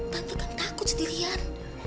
tante kan takut sendirian